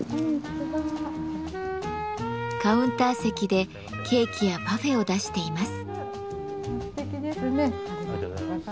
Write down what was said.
カウンター席でケーキやパフェを出しています。